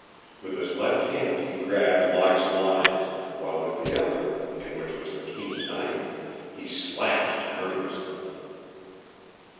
With his left hand he grabbed Locke's lines, while with the other, in which was the keen knife, he slashed murderously.